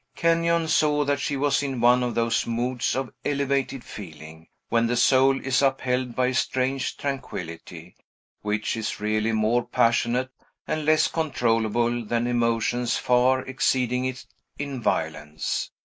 Kenyon saw that she was in one of those moods of elevated feeling, when the soul is upheld by a strange tranquility, which is really more passionate and less controllable than emotions far exceeding it in violence.